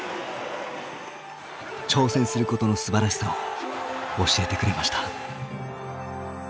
挑戦することのすばらしさを教えてくれました。